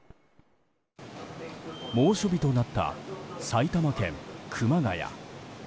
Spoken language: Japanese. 猛暑日となった埼玉県熊谷。